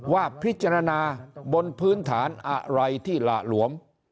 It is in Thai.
ว่าพิจารณาบนพื้นฐานอะไรที่หละหลวม